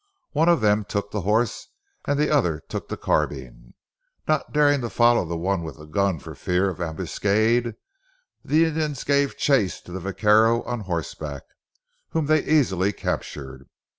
One of them took the horse and the other took the carbine. Not daring to follow the one with the gun for fear of ambuscade, the Indians gave chase to the vaquero on horseback, whom they easily captured.